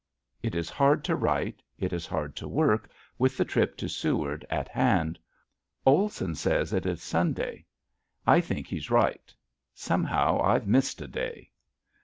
It is hard to write, it is hard to work, with the trip to Seward at hand. Olson says it is Sunday. I think he's right. Somehow I've missed a day.